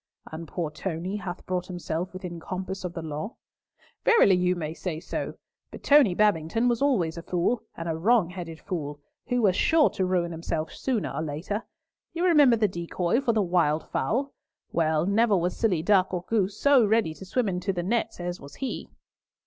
"And poor Tony hath brought himself within compass of the law?" "Verily you may say so. But Tony Babington always was a fool, and a wrong headed fool, who was sure to ruin himself sooner or later. You remember the decoy for the wild fowl? Well, never was silly duck or goose so ready to swim into the nets as was he!"